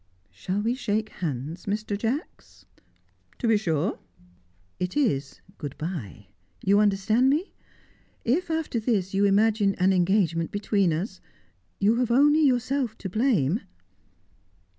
"Shall we shake hands, Mr. Jacks?" "To be sure!" "It is good bye. You understand me? If, after this, you imagine an engagement between us, you have only yourself to blame."